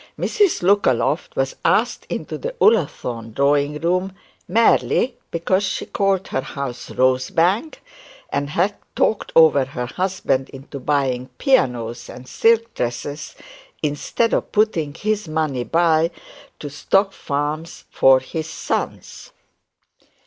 Mrs Lookaloft was asked into the Ullathorne drawing room, merely because she called her house Rosebank, and had talked over her husband into buying pianos and silk dresses instead of putting his money by to stock farms for his sons.